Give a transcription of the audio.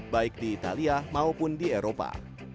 baik di italia maupun di eropa